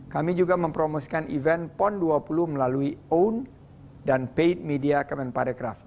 kami juga mempromosikan event pon dua puluh melalui on dan paid media kemenparekraf